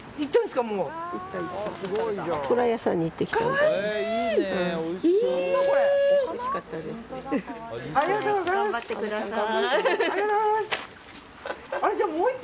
可愛い！頑張ってください。